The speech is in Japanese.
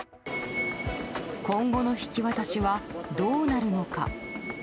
今後の引き渡しはどうなるのか。